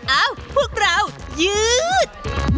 เอ้าพวกเรายืด